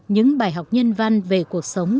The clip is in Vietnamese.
những bài học nhân văn về cuộc sống